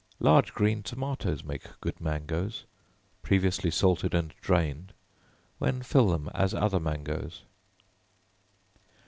Large green tomatoes make good mangoes, previously salted and drained, when fill them as other mangoes.